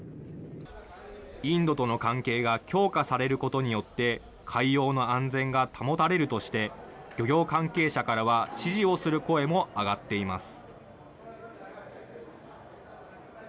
インドとの関係が強化されることによって、海洋の安全が保たれるとして、漁業関係者からは支持をする声も上がっています。